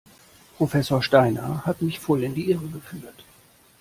Professor Steiner hat mich voll in die Irre geführt.